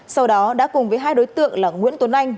sau đó đã cùng với hai đối tượng là nguyễn tuấn anh